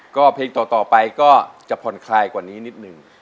ก็เพลงต่อไปก็จะผ่อนคลายกว่านี้นิดนึง